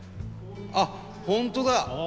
あっ本当だ！